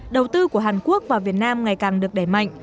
đầu tư của hàn quốc vào việt nam ngày càng được đẩy mạnh